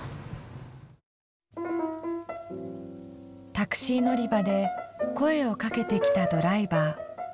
タクシー乗り場で声をかけてきたドライバー。